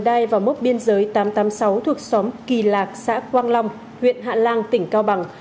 đai vào mốc biên giới tám trăm tám mươi sáu thuộc xóm kỳ lạc xã quang long huyện hạ lan tỉnh cao bằng